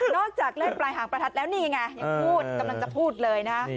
จากเลขปลายหางประทัดแล้วนี่ไงยังพูดกำลังจะพูดเลยนะ